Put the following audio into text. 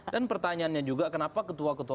dan pertanyaannya juga kenapa ketua ketua